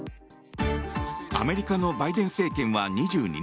アメリカのバイデン政権は２２日